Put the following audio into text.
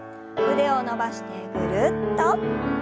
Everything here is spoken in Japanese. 腕を伸ばしてぐるっと。